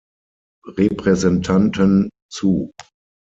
Repräsentanten zu.